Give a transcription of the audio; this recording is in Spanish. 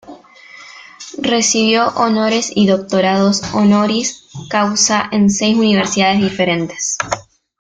Recibió honores y doctorados honoris causa en seis universidades diferentes.